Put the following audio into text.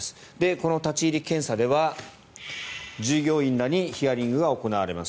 この立ち入り検査では従業員らにヒアリングが行われます。